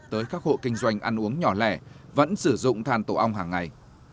tới các hộ kinh doanh ăn uống nhỏ lẻ vẫn sử dụng than tổ ong hàng ngày